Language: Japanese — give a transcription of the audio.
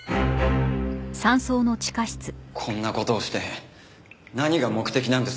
こんな事をして何が目的なんですか？